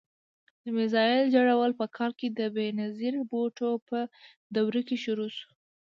د میزایل جوړول په کال کې د بېنظیر بوټو په دور کې شروع شو.